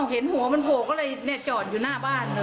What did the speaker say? เห็นหัวมันโผล่ก็เลยจอดอยู่หน้าบ้านเลย